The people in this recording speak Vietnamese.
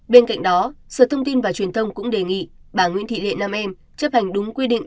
bên cạnh đó sở thông tin và truyền thông cũng đề nghị bà nguyễn thị lệ nam em chấp hành đúng quy định